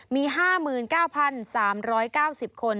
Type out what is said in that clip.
มี๕๙๓๙๐คน